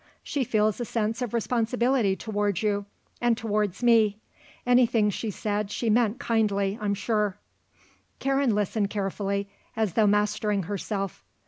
She feels a sense of responsibility towards you and towards me. Anything she said she meant kindly, I'm sure." Karen listened carefully as though mastering herself.